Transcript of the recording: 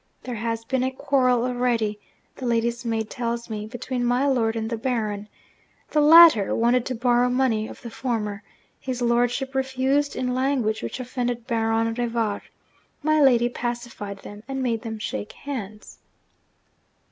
There has been a quarrel already (the lady's maid tells me) between my lord and the Baron. The latter wanted to borrow money of the former. His lordship refused in language which offended Baron Rivar. My lady pacified them, and made them shake hands.'